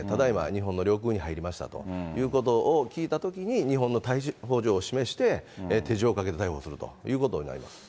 日本の領空に入りましたということを聞いたときに、日本の逮捕状を示して、手錠をかけて逮捕するということになります。